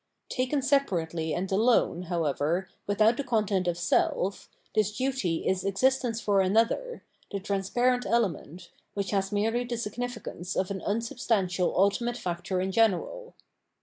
Taken separately and alone, however, without the content of self, this duty is existence for another, the transparent element, which has merely the significance of an unsubstantial ultimate factor in general.